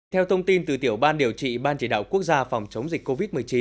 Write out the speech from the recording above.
theo thông tin từ tiểu ban điều trị ban chỉ đạo quốc gia phòng chống dịch covid một mươi chín